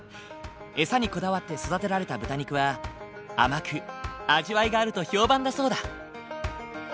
餌にこだわって育てられた豚肉は甘く味わいがあると評判だそうだ。